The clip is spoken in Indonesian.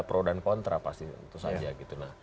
pro dan kontra pasti itu saja gitu